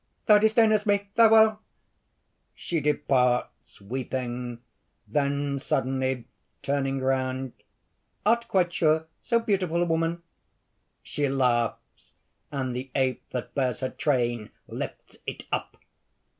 _) "Thou disdainest me! farewell!" (She departs, weeping; then, suddenly turning round: ) "Art quite sure? so beautiful a woman...." (_She laughs, and the ape that bears her train, lifts it up.